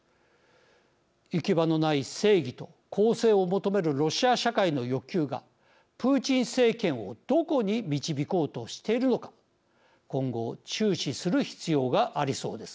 行き場のない正義と公正を求めるロシア社会の欲求がプーチン政権をどこに導こうとしているのか今後注視する必要がありそうです。